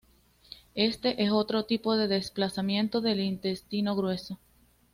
Este es otro tipo de desplazamiento del intestino grueso.